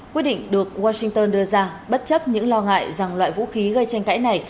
quyết định được washington đưa ra bất chấp những lo ngại rằng loại vũ khí gây tranh cãi này